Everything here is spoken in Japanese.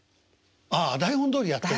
ああ台本どおりやってんですか。